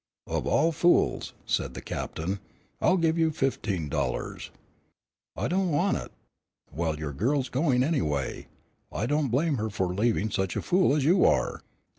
"Of all fools," said the Captain. "I'll give you fifteen dollars." "I do' want it." "Well, your girl's going, anyway. I don't blame her for leaving such a fool as you are."